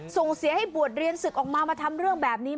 ส่งเสียให้บวชเรียนศึกออกมามาทำเรื่องแบบนี้